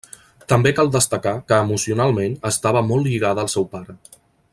També cal destacar que emocionalment estava molt lligada al seu pare.